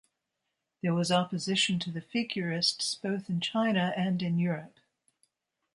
There was opposition to the Figurists both in China and in Europe.